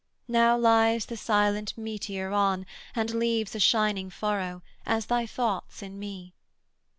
Now lies the silent meteor on, and leaves A shining furrow, as thy thoughts in me.